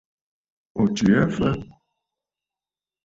O tswe aa fa?